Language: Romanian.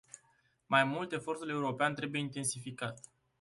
Mai mult, efortul european trebuie intensificat.